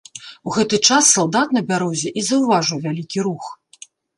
У гэты час салдат на бярозе і заўважыў вялікі рух.